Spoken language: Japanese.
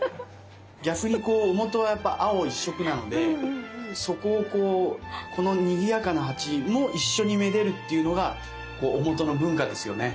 逆に万年青はやっぱ青一色なのでそこをこうこのにぎやかな鉢も一緒に愛でるっていうのが万年青の文化ですよね。